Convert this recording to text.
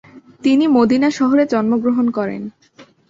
তিনি মদিনা শহরে জন্মগ্রহণ করেন।